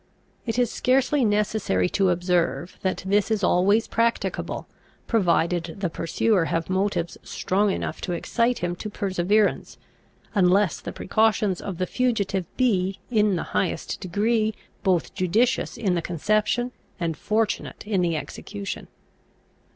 It is scarcely necessary to observe that this is always practicable, provided the pursuer have motives strong enough to excite him to perseverance, unless the precautions of the fugitive be, in the highest degree, both judicious in the conception, and fortunate in the execution.